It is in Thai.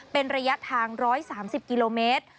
เป็นระยะทาง๑๓๐กิโลเมตร